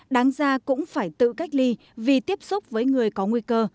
đáng ra cũng phải tự cách ly vì tiếp xúc với người có nguy cơ